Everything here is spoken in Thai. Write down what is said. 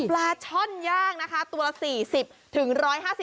ปลาช่อนย่างนะคะตัวละ๔๐๑๕๐บาท